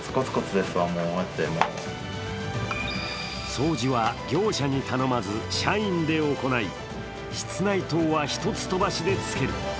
掃除は業者に頼まず社員で行い、室内灯は１つ飛ばしでつける。